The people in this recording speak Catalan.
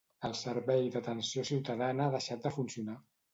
El servei d'Atenció ciutadana ha deixat de funcionar.